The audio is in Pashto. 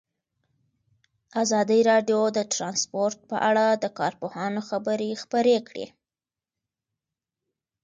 ازادي راډیو د ترانسپورټ په اړه د کارپوهانو خبرې خپرې کړي.